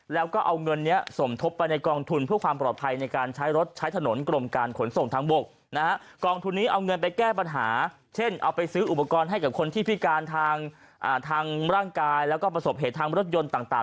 ทางร่างกายและประสบเหตุทางรถยนต์ต่าง